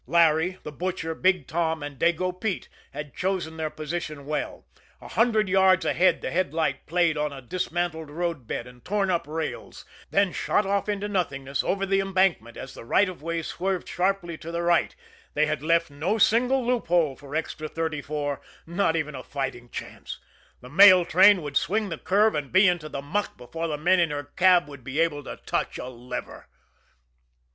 Larry, the Butcher, Big Tom, and Dago Pete had chosen their position well. A hundred yards ahead, the headlight played on a dismantled roadbed and torn up rails, then shot off into nothingness over the embankment as the right of way swerved sharply to the right they had left no single loophole for Extra No. 34, not even a fighting chance the mail train would swing the curve and be into the muck before the men in her cab would be able to touch a lever.